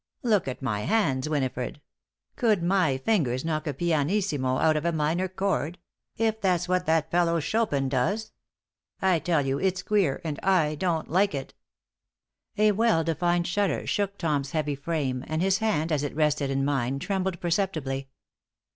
Look at my hands, Winifred. Could my fingers knock a pianissimo out of a minor chord? if that's what that fellow Chopin does. I tell you, it's queer, and I don't like it." A well defined shudder shook Tom's heavy frame, and his hand, as it rested in mine, trembled perceptibly.